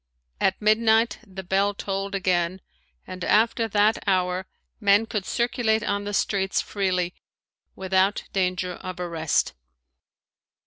At midnight the bell tolled again and after that hour men could circulate on the streets freely without danger of arrest.